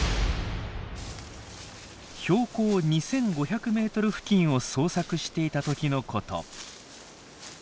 標高２，５００ｍ付近を探索していた時のこと。